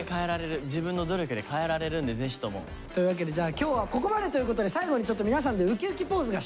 自分の努力で変えられるんでぜひとも。というわけでじゃあ今日はここまでということで最後にちょっと皆さんでウキウキポーズがしたいんです。